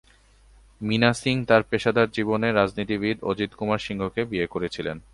মিনা সিং তার পেশাদার জীবনে রাজনীতিবিদ অজিত কুমার সিংকে বিয়ে করেছিলেন।